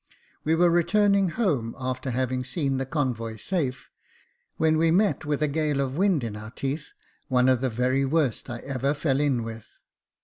We were returning home, after having seen the convoy safe, when we met with a gale of wind in our teeth, one of the very worst I ever fell in with.